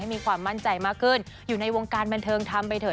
มีความมั่นใจมากขึ้นอยู่ในวงการบันเทิงทำไปเถอ